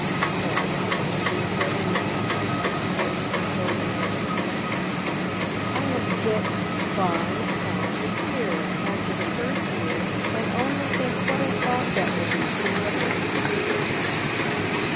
" Why, Phil, isn't it better now," said sister Bertie, consolingly to him. " I am to get 51. a year, after the first year, and only think what a help that will be to mother and you."